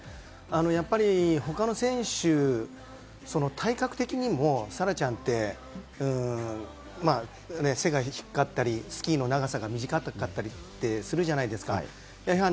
他の選手とは体格的にも沙羅ちゃんって背が低かったりスキーの長さが短かったりするじゃないですか。